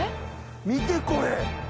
見てこれ！